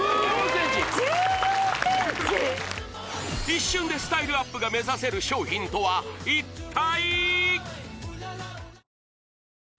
一瞬でスタイルアップが目指せる商品とは一体？